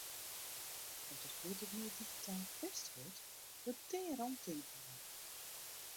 Om't der hieltyd mear digitaal pest wurdt, wurdt dêr omtinken oan jûn.